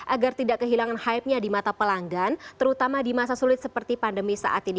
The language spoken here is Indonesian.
agar tidak kehilangan hype nya di mata pelanggan terutama di masa sulit seperti pandemi saat ini